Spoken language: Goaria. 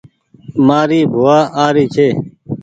مآري بووآ آ ري ڇي